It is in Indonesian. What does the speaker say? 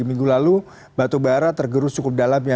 minggu lalu batu bara tergerus cukup dalam ya